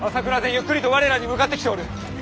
ゆっくりと我らに向かってきておる。